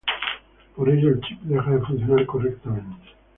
Por ello, el chip deja de funcionar correctamente.